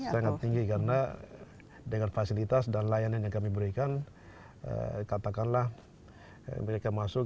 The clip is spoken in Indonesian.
sangat tinggi karena dengan fasilitas dan layanan yang kami berikan katakanlah mereka masuk